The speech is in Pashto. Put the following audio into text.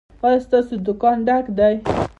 ایا ستاسو دکان ډک دی؟